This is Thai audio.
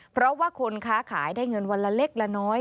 เพราะว่าคนค้าขายได้เงินวันละเล็กละน้อย